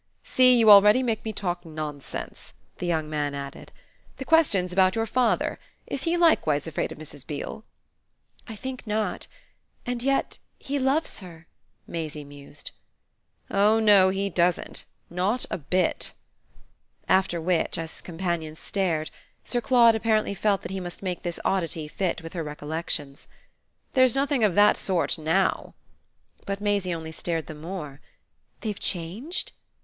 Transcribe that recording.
See you already make me talk nonsense," the young man added. "The question's about your father. Is he likewise afraid of Mrs. Beale?" "I think not. And yet he loves her," Maisie mused. "Oh no he doesn't; not a bit!" After which, as his companion stared, Sir Claude apparently felt that he must make this oddity fit with her recollections. "There's nothing of that sort NOW." But Maisie only stared the more. "They've changed?"